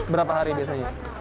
berapa hari biasanya